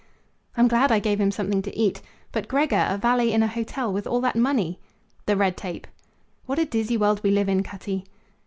"I'm glad I gave him something to eat. But Gregor, a valet in a hotel, with all that money!" "The red tape." "What a dizzy world we live in, Cutty!"